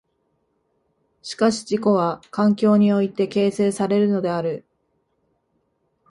しかし自己は環境において形成されるのである。